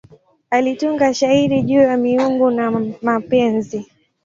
Alitunga shairi juu ya miungu na mapenzi.